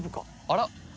あら？